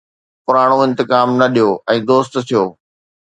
پراڻو انتقام نه ڏيو، ۽ دوست ٿيو